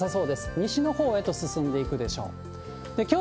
西のほうへと進んでいくでしょう。